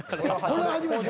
これは初めて。